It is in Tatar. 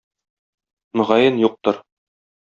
Мөгаен, юктыр.